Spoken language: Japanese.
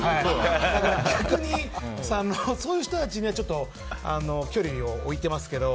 だから、逆にそういう人たちとはちょっと、距離を置いてますけど。